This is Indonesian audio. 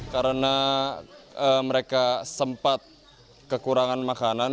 karena mereka sempat kekurangan makanan